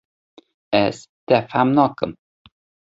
Ez, te fêm nakim.